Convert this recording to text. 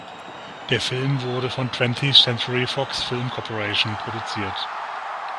Der Film wurde von Twentieth Century Fox Film Corporation produziert.